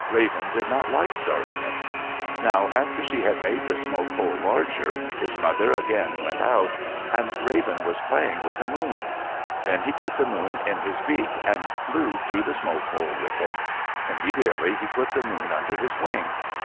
Raven did not like darkness. Now after she had made the smoke hole larger, his mother again went out, and Raven was playing with the moon. Then he put the moon in his beak and flew through the smoke hole with it. Immediately he put the moon under his wing.